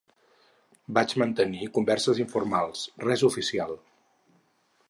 Vaig mantenir converses informals, res oficial.